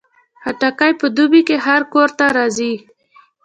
خټکی په دوبۍ کې هر کور ته راځي.